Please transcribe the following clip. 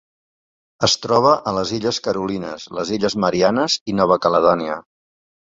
Es troba a les Illes Carolines, les Illes Mariannes i Nova Caledònia.